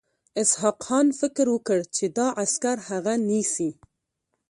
اسحق خان فکر وکړ چې دا عسکر هغه نیسي.